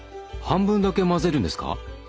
半分だけ混ぜるんですか？